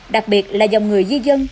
đặc biệt là dòng người di dân